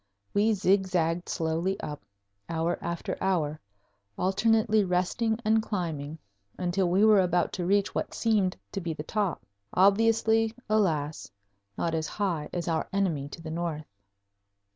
We zigzagged slowly up, hour after hour, alternately resting and climbing, until we were about to reach what seemed to be the top, obviously, alas, not as high as our enemy to the north.